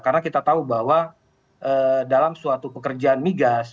karena kita tahu bahwa dalam suatu pekerjaan migas